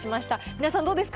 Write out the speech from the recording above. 皆さん、どうですか？